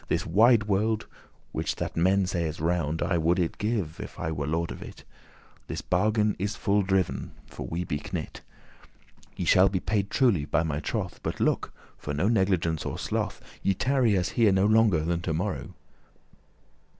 This wide world, which that men say is round, I would it give, if I were lord of it. This bargain is full driv'n, for we be knit;* *agreed Ye shall be payed truly by my troth. But looke, for no negligence or sloth, Ye tarry us here no longer than to morrow."